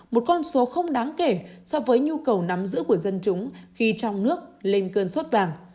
một con số không đáng kể so với nhu cầu nắm giữ của dân chúng khi trong nước lên cơn suốt vàng